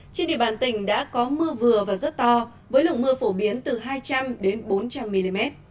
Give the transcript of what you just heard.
trên địa bàn tỉnh đã có mưa vừa và rất to với lượng mưa phổ biến từ hai trăm linh bốn trăm linh mm